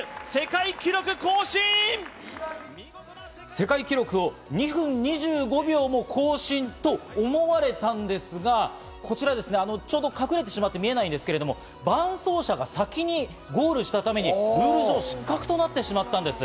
世界記録を２分２５秒も更新と思われたんですが、こちら、ちょうど隠れてしまって見えないんですが、伴走者は先にゴールしたためにルール上、失格となってしまったんです。